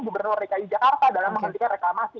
gubernur dki jakarta dalam menghentikan reklamasi